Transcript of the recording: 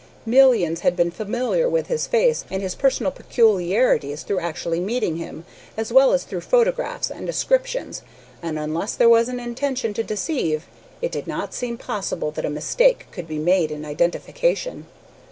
Millions had been familiar with his face and his personal peculiarities, through actually meeting him, as well as through photographs and descriptions, and, unless there was an intention to deceive, it did not seem possible that a mistake could be made in identification.